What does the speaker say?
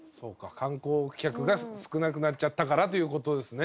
観光客が少なくなっちゃったからという事ですね。